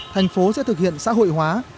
thành phố sẽ thực hiện xã hội hóa